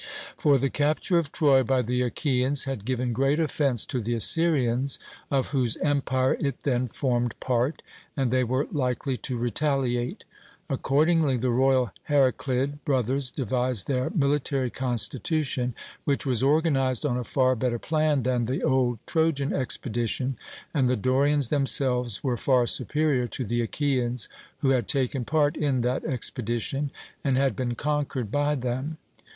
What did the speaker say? For the capture of Troy by the Achaeans had given great offence to the Assyrians, of whose empire it then formed part, and they were likely to retaliate. Accordingly the royal Heraclid brothers devised their military constitution, which was organised on a far better plan than the old Trojan expedition; and the Dorians themselves were far superior to the Achaeans, who had taken part in that expedition, and had been conquered by them.